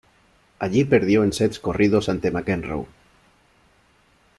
Allí perdió en sets corridos ante McEnroe.